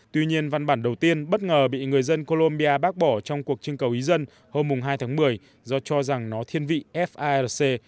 tuy nhiên văn bản đầu tiên bất ngờ bị người dân colombia bác bỏ trong cuộc trưng cầu ý dân hôm hai tháng một mươi do cho rằng nó thiên vị farc